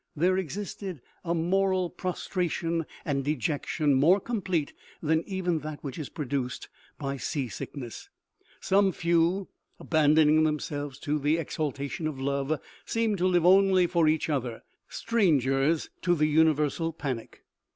There existed a moral prostration and dejection, more complete than even that which is produced by sea sickness. Some few, abandon ing themselves to the exaltation of love, seemed to live only for each other, strangers to the universal panic.